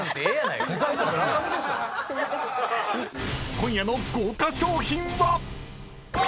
［今夜の豪華賞品は⁉］